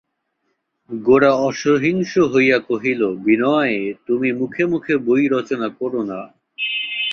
গোরা অসহিষ্ণু হইয়া কহিল, বিনয়, তুমি মুখে মুখে বই রচনা কোরো না।